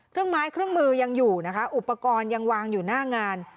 ไม้เครื่องมือยังอยู่นะคะอุปกรณ์ยังวางอยู่หน้างาน